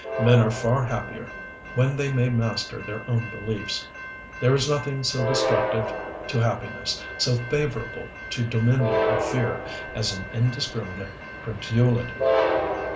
Men are far happier when they may master their own beliefs. There is nothing so destructive to happiness, so favorable to the dominion of Fear, as an indiscriminate credulity.